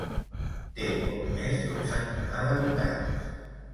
Té poc més d'un centenar d'habitants.